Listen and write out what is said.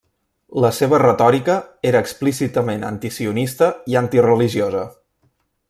La seva retòrica era explícitament antisionista i antireligiosa.